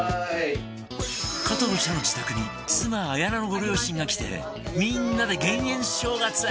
加藤茶の自宅に妻綾菜のご両親が来てみんなで減塩正月